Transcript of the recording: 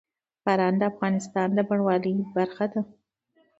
باران د افغانستان د بڼوالۍ برخه ده.